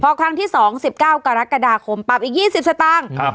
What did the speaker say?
พอครั้งที่สองสิบเก้ากรกฎาคมปรับอีกยี่สิบสตางค์ครับ